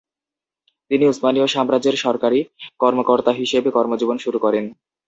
তিনি উসমানীয় সাম্রাজ্যের সরকারি কর্মকর্তা হিসেবে কর্মজীবন শুরু করেন।